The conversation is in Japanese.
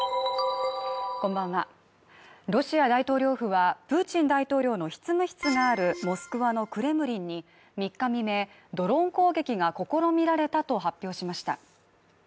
ロシア大統領府はプーチン大統領の執務室があるモスクワのクレムリンに３日未明、ドローン攻撃が試みられたと発表しました。